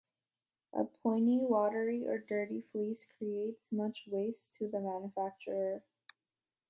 A pointy, watery, or dirty fleece creates much waste to the manufacturer.